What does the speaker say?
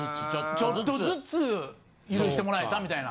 ちょっとずつ許してもらえたみたいな。